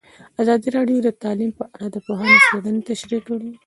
ازادي راډیو د تعلیم په اړه د پوهانو څېړنې تشریح کړې.